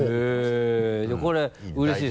へぇこれうれしいです。